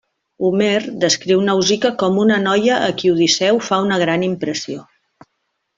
Homer descriu Nausica com una noia a qui Odisseu fa una gran impressió.